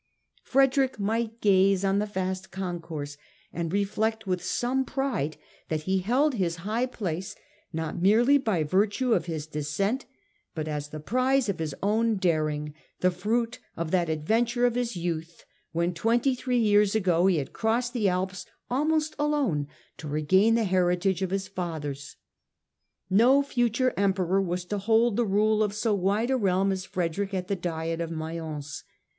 Frederick might gaze on the vast concourse and reflect with some pride that he held his high place not merely by virtue of his descent, but as the prize of his own daring, the fruit of that adventure of his youth when, twenty three years ago, he had crossed the Alps almost alone to regain the heritage of his fathers. No future Emperor was to hold the rule of so wide a realm as Frederick at the Diet of Mayence.